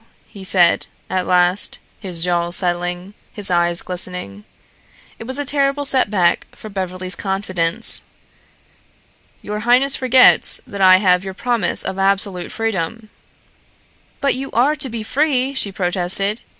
he said, at last, his jaws settling, his eyes glistening. It was a terrible setback for Beverly's confidence. "Your highness forgets that I have your promise of absolute freedom." "But you are to be free," she protested.